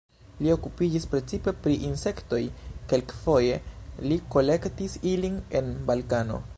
Li okupiĝis precipe pri insektoj, kelkfoje li kolektis ilin en Balkano.